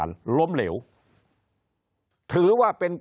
คนในวงการสื่อ๓๐องค์กร